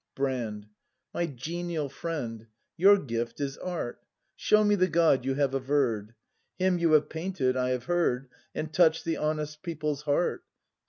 Brand. My genial friend, your gift is Art; — Show me the God you have averr'd. Him you have painted, I have heard. And touch'd the honest people's heart.